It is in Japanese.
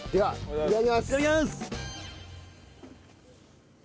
いただきます！